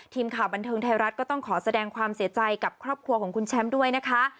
ทีมข่าวบันเทิงไทยรัฐก็ต้องขอแสดงความเสียใจกับครอบครัวของคุณแชมป์ด้วยนะคะ